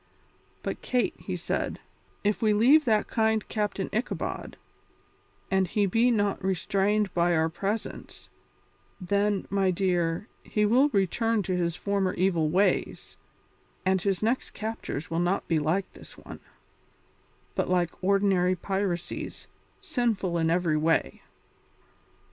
"But, Kate," he said, "if we leave that kind Captain Ichabod, and he be not restrained by our presence, then, my dear, he will return to his former evil ways, and his next captures will not be like this one, but like ordinary piracies, sinful in every way."